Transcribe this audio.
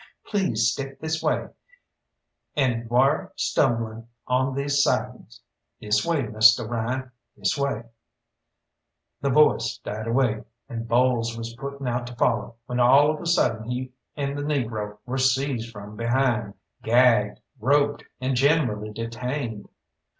Please step this way and 'ware stumbling on these sidings this way, Misteh Ryan this way " The voice died away, and Bowles was putting out to follow, when all of a sudden he and the negro were seized from behind, gagged, roped, and generally detained.